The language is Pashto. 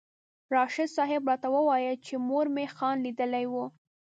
راشد صاحب راته وویل چې مور مې خان لیدلی و.